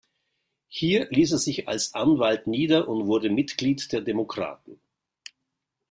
Hier ließ er sich als Anwalt nieder und wurde Mitglied der Demokraten.